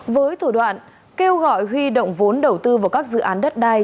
với thủ đoạn kêu gọi huy động vốn đầu tư vào các dự án đất đai